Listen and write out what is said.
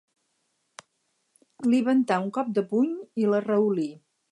Li ventà un cop de puny i l'arraulí.